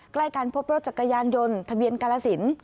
ใกล้กันพบรถจักรยานยนต์ทะเบียนกาลสิน